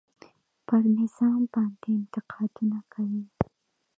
پر نظام باندې انتقادونه کوي.